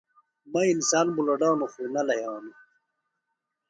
مہ انسان بُلڈانوۡ خوۡ نہ لھیانوۡ